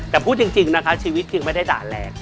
แต่พูดจริงนะคะชีวิตจึงไม่ได้ด่าแรง